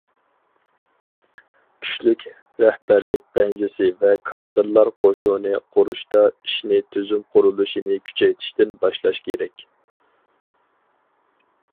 كۈچلۈك رەھبەرلىك بەنزىسى ۋە كادىرلار قوشۇنى قۇرۇشتا ئىشنى تۈزۈم قۇرۇلۇشىنى كۈچەيتىشتىن باشلاش كېرەك.